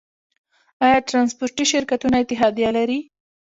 آیا ټرانسپورټي شرکتونه اتحادیه لري؟